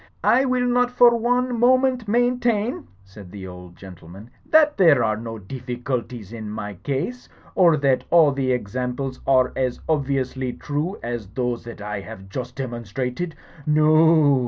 *1 will not for one moment maintain," said the old gentleman, that there are no difficulties in my case; or that all the examples are as obviously true as those that I have just demonstrated. No o.